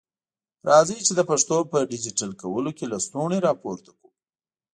راځئ چي د پښتو په ډيجيټل کولو کي لستوڼي را پورته کړو.